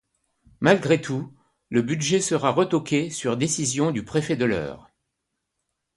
Malgré tout, le budget sera retoqué sur décision du préfet de l'Eure.